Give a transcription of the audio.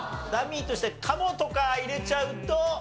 ダミーとして「カモ」とか入れちゃうと。